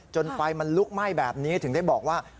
ไฟมันลุกไหม้แบบนี้ถึงได้บอกว่า